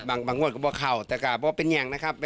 บางงวดก็บอกเข้าแต่กลับว่าเป็นอย่างนะครับ